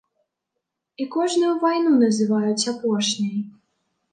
І кожную вайну называюць апошняй.